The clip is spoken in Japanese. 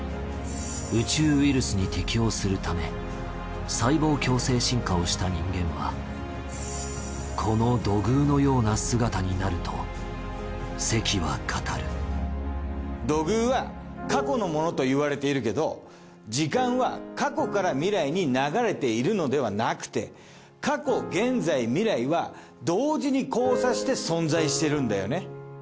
宇宙ウイルスに適応するため細胞共生進化をした人間はこの土偶のような姿になると関は語る土偶は過去のものといわれているけど時間は過去から未来に流れているのではなくて過去現在未来は同時に交差して存在してるんだよね。